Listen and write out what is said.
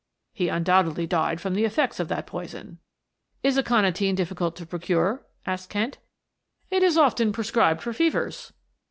"He undoubtedly died from the effects of that poison." "Is aconitine difficult to procure?" asked Kent. "It is often prescribed for fevers."